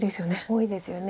多いですよね。